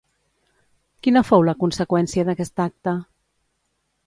Quina fou la conseqüència d'aquest acte?